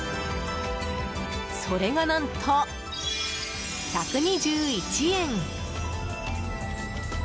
それが、何と１２１円。